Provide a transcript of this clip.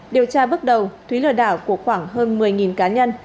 điều tra bước đầu thúy lừa đảo của khoảng hơn một mươi cá nhân